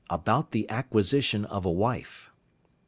ABOUT THE ACQUISITION OF A WIFE.